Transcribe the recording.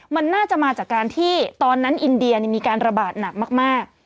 มันน่าจะมาจากการที่ตอนนั้นอินเดียมีการระบาดหนักมาก